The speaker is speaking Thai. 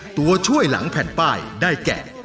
ตัวช่วยหลังแผ่นป้ายได้แก่